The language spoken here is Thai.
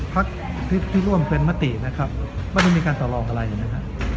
พักที่ร่วมเป็นมตินะครับไม่ได้มีการต่อลองอะไรนะครับ